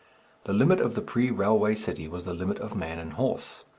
The limit of the pre railway city was the limit of man and horse.